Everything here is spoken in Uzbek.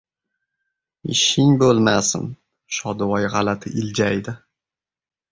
— Ishing bo‘lmasin!— Shodivoy g‘alati iljaydi.